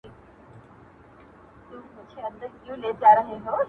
هم د سيمې پر سر ګرځي-